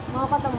mau apa temu